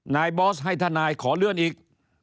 บอสให้ทนายขอเลื่อนอีก